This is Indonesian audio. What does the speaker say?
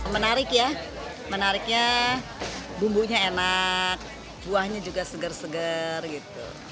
menarik ya menariknya bumbunya enak buahnya juga segar segar gitu